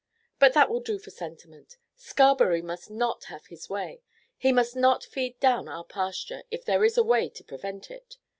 But that will do for sentiment. Scarberry must not have his way. He must not feed down our pasture if there is a way to prevent it.